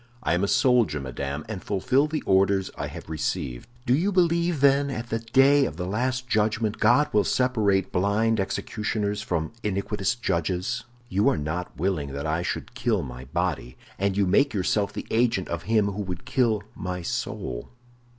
"I am a soldier, madame, and fulfill the orders I have received." "Do you believe, then, that at the day of the Last Judgment God will separate blind executioners from iniquitous judges? You are not willing that I should kill my body, and you make yourself the agent of him who would kill my soul."